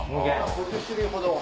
５０種類ほど。